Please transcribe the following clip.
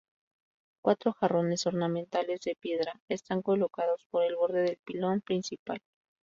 Cuatro jarrones ornamentales de piedra están colocados por el borde del pilón principal.